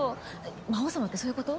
魔王様ってそういうこと？